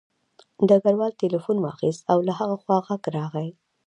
ډګروال تیلیفون واخیست او له هغه خوا غږ راغی